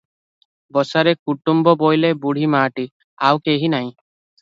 ବସାରେ କୁଟୁମ୍ବ ବୋଇଲେ ବୁଢ଼ୀ ମାଆଟି, ଆଉ କେହି ନାହିଁ ।